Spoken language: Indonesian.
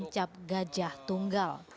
cap gajah tunggal